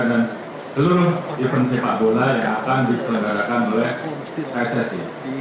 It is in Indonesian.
dan seluruh event sepak bola yang akan diselenggarakan oleh ssi